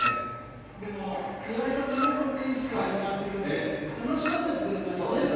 でも、岩井さんも本当にいいスコアで回ってくれて楽しませてくれましたね。